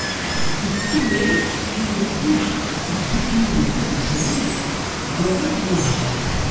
Deg ukemmel n leqdic n tdukkliwin tidelsanin deg waɣir n Wehran.